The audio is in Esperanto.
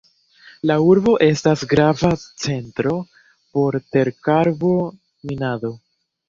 La urbo estas grava centro por terkarbo-minado.